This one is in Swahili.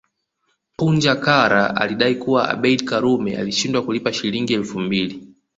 Punja Kara alidai kuwa Abeid Karume alishindwa kulipa Shilingi elfu mbili